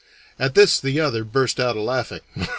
At this the other burst out a laughing.